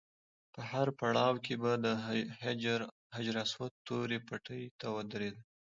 په هر پړاو کې به د حجر اسود تورې پټۍ ته ودرېدم.